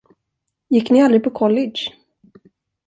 Gick ni aldrig på college?